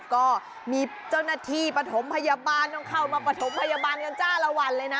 ก็มีเจ้าหน้าที่ปฐมพยาบาลต้องเข้ามาประถมพยาบาลกันจ้าละวันเลยนะ